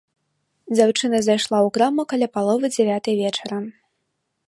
Дзяўчына зайшла ў краму каля паловы дзявятай вечара.